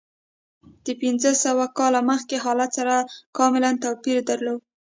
د پنځه سوه کاله مخکې حالت سره کاملا توپیر درلود.